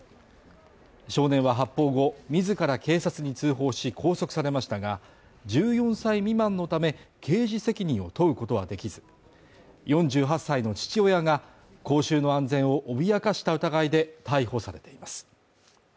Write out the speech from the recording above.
少年は発砲後自ら警察に通報し拘束されましたが、１４歳未満のため、刑事責任を問うことはできず４８歳の父親が公衆の安全を脅かした疑いで逮捕されています。